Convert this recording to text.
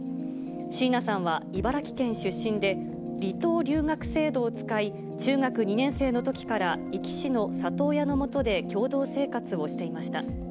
椎名さんは茨城県出身で、離島留学制度を使い、中学２年生のときから、壱岐市の里親の元で共同生活をしていました。